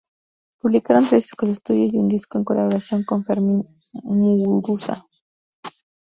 Publicaron tres discos de estudio y un disco en colaboración con Fermin Muguruza.